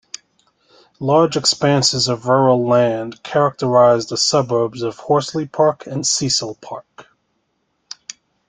Large expanses of rural land characterise the suburbs of Horsley Park and Cecil Park.